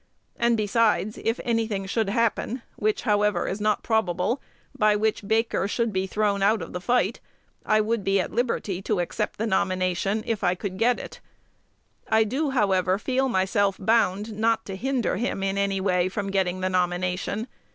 And besides, if any thing should happen (which, however, is not probable) by which Baker should be thrown out of the fight, I would be at liberty to accept the nomination if I could get it. I do, however, feel myself bound not to hinder him in any way from getting the nomination.